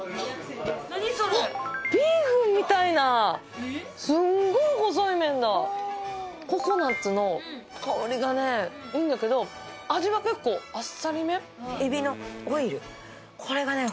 何それビーフンみたいなすんごい細い麺だココナッツの香りがねいいんだけど味は結構あっさりめエビのオイルこれがね